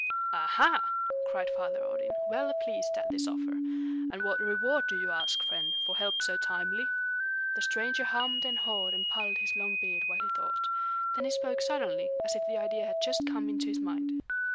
"Aha!" cried Father Odin, well pleased at this offer. "And what reward do you ask, friend, for help so timely?" The stranger hummed and hawed and pulled his long beard while he thought. Then he spoke suddenly, as if the idea had just come into his mind.